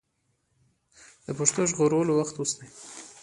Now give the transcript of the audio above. د پښتو د ژغورلو وخت اوس دی.